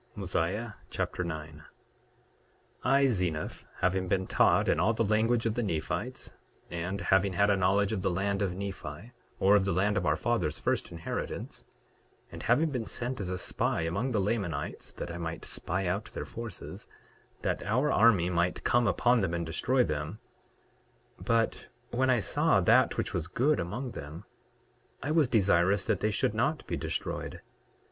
Mosiah Chapter 9 9:1 I, Zeniff, having been taught in all the language of the Nephites, and having had a knowledge of the land of Nephi, or of the land of our fathers' first inheritance, and having been sent as a spy among the Lamanites that I might spy out their forces, that our army might come upon them and destroy them—but when I saw that which was good among them I was desirous that they should not be destroyed.